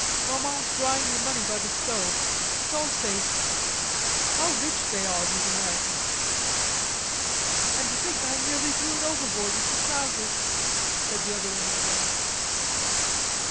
"Maman's drying your money by the stove. It's all safe. How rich they are, these Americans!" "And to think that I nearly threw it overboard with the trousers," said the other woman again.